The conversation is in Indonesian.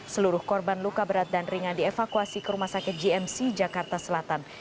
seluruh korban luka berat dan ringan dievakuasi ke rumah sakit gmc jakarta selatan